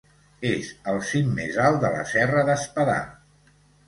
És el cim més alt de la Serra d'Espadà.